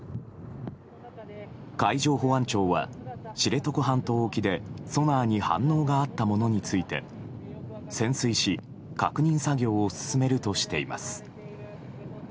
海上保安庁は知床半島沖でソナーに反応があったものについて潜水し、確認作業を進めるとしています。